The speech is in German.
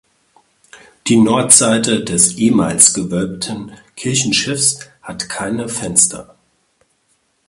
Die Nordseite des ehemals gewölbten Kirchenschiffs hat keine Fenster.